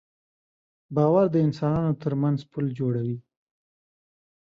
باور د انسانانو تر منځ پُل جوړوي.